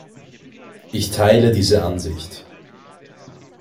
Ich teile diese Ansicht.